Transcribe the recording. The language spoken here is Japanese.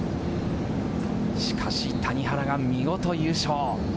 しかし、谷原が見事優勝。